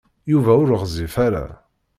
Yuba ur ɣezzif ara.